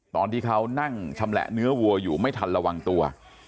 ตอนที่เขานั่งชำแหละเนื้อวัวอยู่ไม่ทันระวังตัว